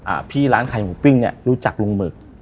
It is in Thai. พี่ร้านขายหมูปิ้งเนี้ยรู้จักลุงหมึก